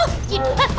oh makan tuh